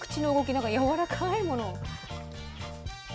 なんかやわらかいものを。